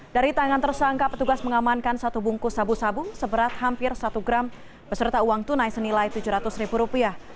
dari tangan tersangka petugas mengamankan satu bungkus sabu sabu seberat hampir satu gram beserta uang tunai senilai tujuh ratus ribu rupiah